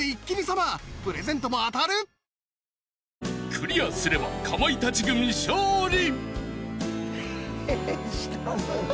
［クリアすればかまいたち軍勝利！］